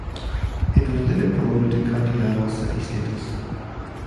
It was later promoted to county-level city status.